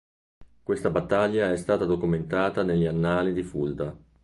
Questa battaglia è stata documentata negli annali di Fulda.